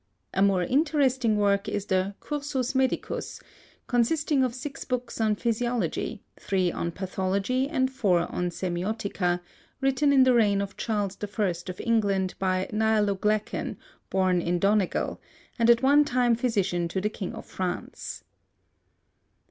A more interesting work is the Cursus Medicus, consisting of six books on Physiology, three on Pathology, and four on Semeiotica, written in the reign of Charles I. of England by Nial O'Glacan, born in Donegal, and at one time physician to the king of France.